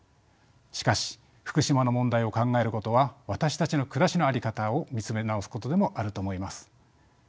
しかし福島の問題を考えることは私たちの暮らしの在り方を見つめ直すことでもあると思います。